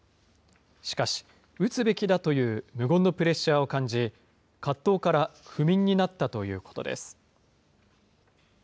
しかし打つべきだという無言のプレッシャーを感じ、葛藤から不眠になったということです。